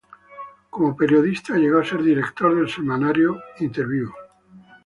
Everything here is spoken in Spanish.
Como periodista, llegó a ser director del semanario "Interviú".